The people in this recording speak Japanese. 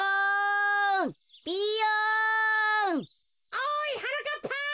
おいはなかっぱ！